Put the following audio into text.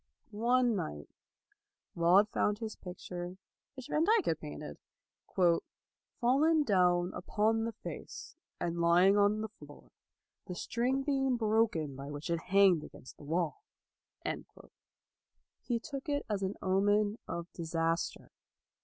One night Laud found his picture, which Vandyke had painted, " fallen down upon the face, and lying on the floor, the string being broken by which it hanged against the wall." He took it as an omen of disaster.